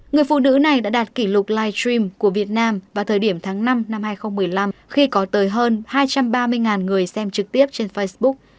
người phụ nữ này đã đạt kỷ lục live stream của việt nam vào thời điểm tháng năm năm hai nghìn một mươi năm khi có tới hơn hai trăm ba mươi người xem trực tiếp trên facebook